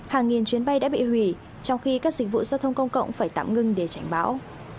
hàng nghìn chuyến bay đã bị hủy trong khi các dịch vụ giao thông công cộng phải tạm ngưng để tránh bão